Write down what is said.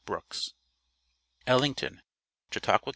BROOKS. ELLINGTON, Chautauqua Co.